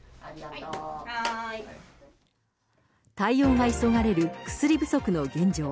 対応が急がれる薬不足の現状。